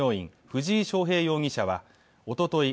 藤井翔平容疑者はおととい